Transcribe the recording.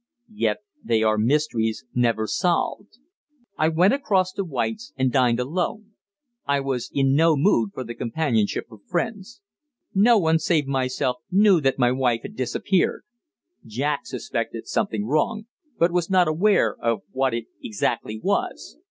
Yet they are mysteries never solved. I went across to White's and dined alone. I was in no mood for the companionship of friends. No one save myself knew that my wife had disappeared. Jack suspected something wrong, but was not aware of what it exactly was.